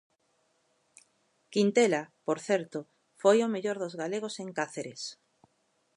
Quintela, por certo, foi o mellor dos galegos en Cáceres.